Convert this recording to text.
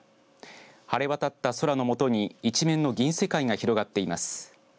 晴れ渡った空のもとに一面の銀世界が広がっています。